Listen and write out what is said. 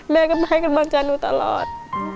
แม่ก็มาให้กำลังใจหนูตลอด